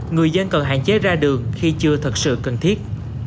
người dân cần hạn chế ra đường khi chưa thật sự cần thiết